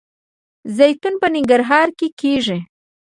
زیتون په ننګرهار کې کیږي